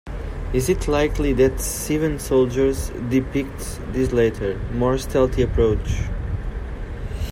It is likely that "Seven Soldiers" depicts this latter, more stealthy approach.